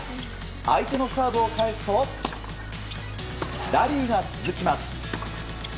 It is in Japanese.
相手のサーブを返すとラリーが続きます。